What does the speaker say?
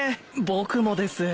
僕もです。